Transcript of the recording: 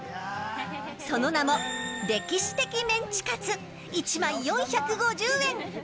その名も歴史的メンチカツ１枚４５０円。